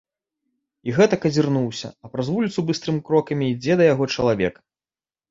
І гэтак азірнуўся, а праз вуліцу быстрымі крокамі ідзе да яго чалавек.